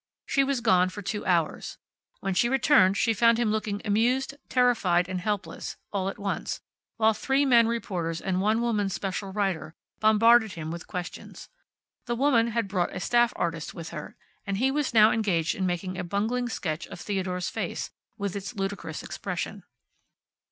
She was gone for two hours. When she returned she found him looking amused, terrified and helpless, all at once, while three men reporters and one woman special writer bombarded him with questions. The woman had brought a staff artist with her, and he was now engaged in making a bungling sketch of Theodore's face, with its ludicrous expression.